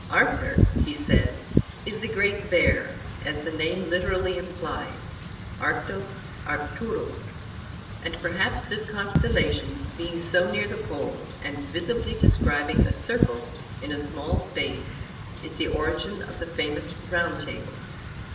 "Arthur," he says, "is the Great Bear, as the name literally implies (Arctos, Arcturus), and perhaps this constellation, being so near the pole, and visibly describing a circle in a small space, is the origin of the famous Round Table."